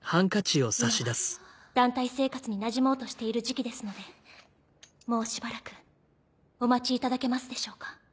今は団体生活になじもうとしている時期ですのでもうしばらくお待ちいただけますでしょうか？